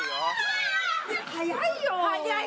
早いよ。